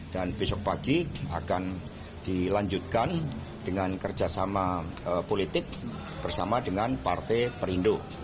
dan besok pagi akan dilanjutkan dengan kerja sama politik bersama dengan partai perindo